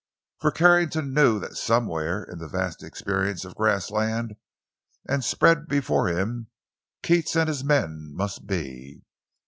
For Carrington knew that somewhere in the vast expanse of grass land and spread before him Keats and his men must be.